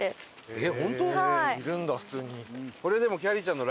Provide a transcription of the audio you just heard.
えっ！